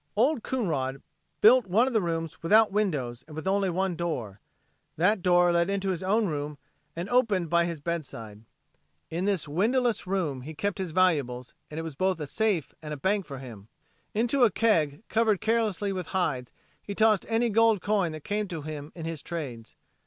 Old Coonrod built one of the rooms without windows and with only one door. That door led into his own room and opened by his bedside. In this windowless room he kept his valuables and it was both a safe and a bank for him. Into a keg covered carelessly with hides he tossed any gold coin that came to him in his trades.